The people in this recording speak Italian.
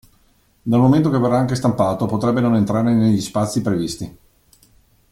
Dal momento che verrà anche stampato potrebbe non entrare negli spazi previsti.